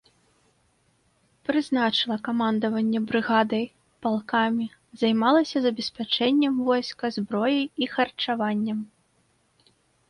Прызначыла камандаванне брыгадай, палкамі, займалася забеспячэннем войска зброяй і харчаваннем.